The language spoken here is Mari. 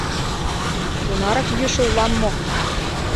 — Тунарак йӱшӧ улам мо?